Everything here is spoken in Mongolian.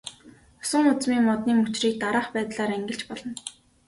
Усан үзмийн модны мөчрийг дараах байдлаар ангилж болно.